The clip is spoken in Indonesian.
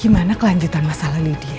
gimana kelanjutan masalah lydia